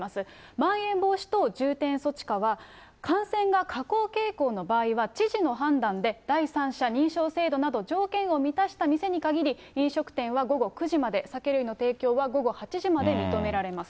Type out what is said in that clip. まん延防止等重点措置下は感染が下降傾向の場合は、知事の判断で第三者認証制度など、条件を満たした店に限り、飲食店は午後９時まで、酒類の提供は午後８時まで認められます。